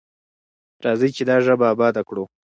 راځئ چې دا ژبه اباده کړو.